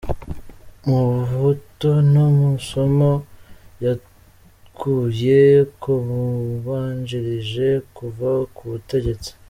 Mobutu nta somo yakuye ku bamubanjirije kuva ku butegetsi.